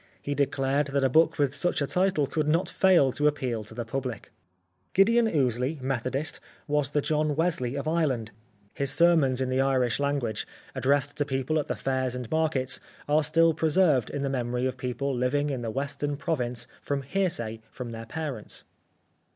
He declared that a book with such a title could not fail to appeal to the public. Gideon Ouseley, Methodist, was the John Wesley of Ireland. His sermons in the Irish language, addressed to people at the fairs and markets, are still preserved in the memory of people living in the western province from hearsay from their parents.